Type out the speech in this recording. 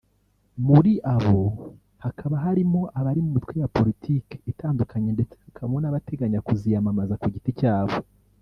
muri abo hakaba harimo abari mu mitwe ya Politiki itandukanye ndetse hakabamo n’abateganya kuziyamamaza ku giti cyabo